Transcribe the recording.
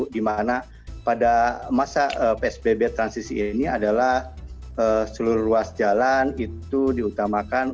di mana pada masa psbb transisi ini adalah seluruh ruas jalan itu diutamakan